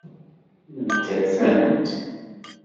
Llant rfant.